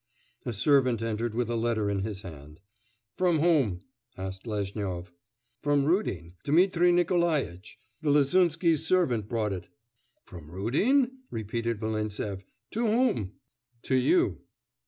A servant entered with a letter in his hand. 'From whom?' asked Lezhnyov. 'From Rudin, Dmitri Nikolaitch. The Lasunsky's servant brought it.' 'From Rudin?' repeated Volintsev, 'to whom?' 'To you.